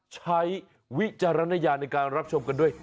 ใช้วิจารณญาณในการรับชมกันด้วย